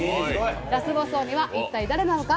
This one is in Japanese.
ラスボス鬼は一体誰なのか？